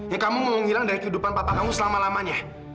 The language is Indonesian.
yang kamu mau ngilang dari kehidupan papa kamu selama lamanya